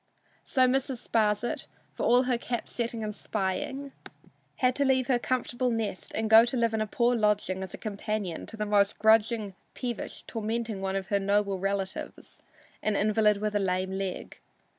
So Mrs. Sparsit, for all her cap setting and spying, had to leave her comfortable nest and go to live in a poor lodging as companion to the most grudging, peevish, tormenting one of her noble relatives, an invalid with a lame leg.